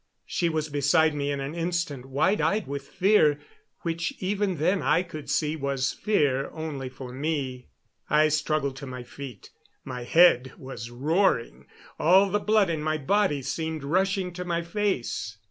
She was beside me in an instant, wide eyed with fear, which even then I could see was fear only for me. I struggled to my feet. My head was roaring. All the blood in my body seemed rushing to my face.